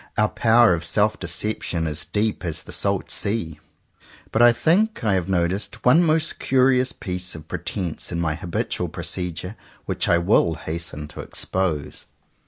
Our power of self deception is deep as the salt sea. But I think I have noticed one most curious piece of pretence in my habitual procedure, which I will hasten to expose.